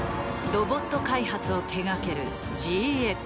ロボット開発を手がけるＧＸ。